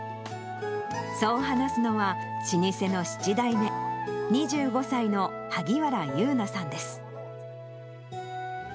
そう話すのは、老舗の７代目、２５歳の萩原優奈さんです。